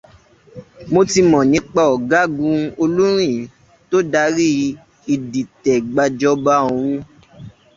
Mọ̀ ti mọ̀ nípa ọ̀gágun Olúrìn tó darí ìdìtẹ̀gbàjọba ọ̀ún.